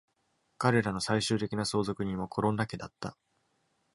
彼らの最終的な相続人はコロンナ家だった。